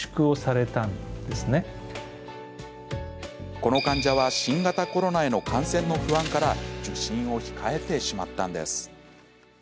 この患者は新型コロナへの感染の不安から受診を控えてしまったんです。